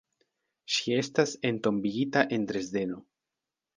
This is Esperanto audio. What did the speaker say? Ŝi estas entombigita en Dresdeno.